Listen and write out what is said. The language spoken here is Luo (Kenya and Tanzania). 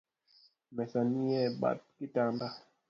Mesa nie bath kitanda